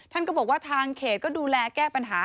ท่านก็บอกว่าทางเขตก็ดูแลแก้ปัญหา